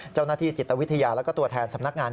เจ้าหน้าที่จิตวิทยาแล้วก็ตัวแทนสำนักงาน